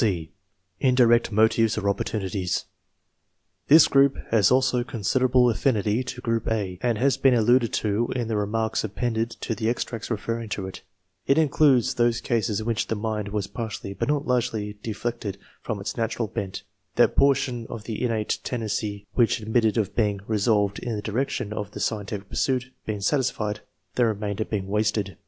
§ C. INDIRECT MOTIVES OR OPPORTUNITIES. This group has also considerable affinity to group (A) and has been alluded to in the re marks appended to the extracts referring to it. It includes those cases in which the mind was partly, but not largely, deflected from its natural 900 ENGLISH MEN OF SCIENCK [ctaf. bent; that portion of the innate tendency which admitted of being leaolTed in the direc tion " of the scientific puisuit, bdng satisfied, the remainder being wasted.